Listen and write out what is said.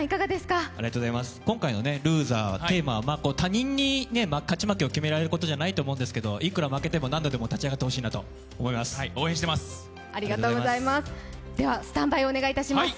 今回の「ＬＯＳＥＲ」はテーマは、他人に勝ち負けを決められることじゃないんですけれどもいくら負けても何度でも立ち上がってほしいなと思います。